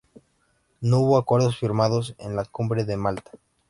No hubo acuerdos firmados en la Cumbre de Malta.